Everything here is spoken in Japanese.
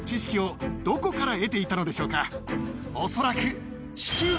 恐らく。